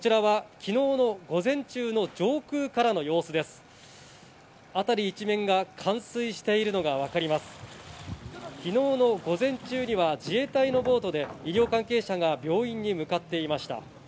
昨日の午前中には自衛隊のボートで医療関係者が病院に向かっていました。